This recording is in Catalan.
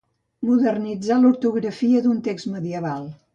Modernitzar l'ortografia d'un text medieval.